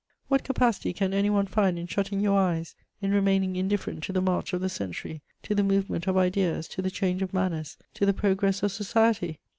What capacity can any one find in shutting your eyes, in remaining indifferent to the march of the century, to the movement of ideas, to the change of manners, to the progress of society?